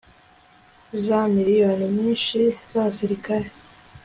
za miriyoni nyinshi z' abasirikare